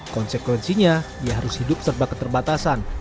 konsekuensinya dia harus hidup serba keterbatasan